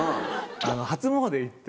初詣行って。